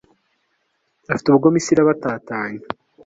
afite ubugome, isi irabatatanya